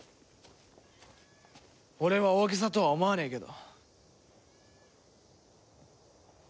俺は大げさとは思わねえけど。